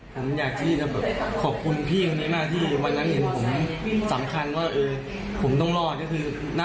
คิดว่าไม่รู้จะขอบคุณพี่ยังไงจนถึงที่สุด